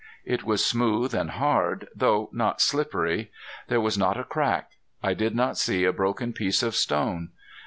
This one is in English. It was smooth and hard, though not slippery. There was not a crack. I did not see a broken piece of stone.